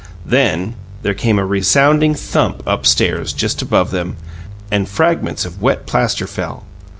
Then there came a resounding thump upstairs, just above them, and fragments of wet plaster fell.